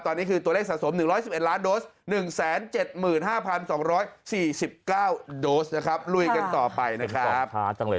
ตอนนี้คือตัวเลขสะสม๑๑๑ล้านโดส๑๗๕๒๔๙โดสนะครับลุยกันต่อไปนะครับ